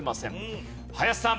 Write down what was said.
林さん